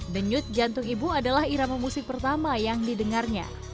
denyut jantung ibu adalah irama musik pertama yang didengarnya